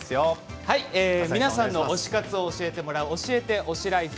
皆さんの推し活を教えてもらう「＃教えて推しライフ」